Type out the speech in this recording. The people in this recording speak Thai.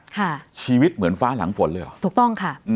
ค่ะชีวิตเหมือนฟ้าหลังฝนเลยเหรอถูกต้องค่ะ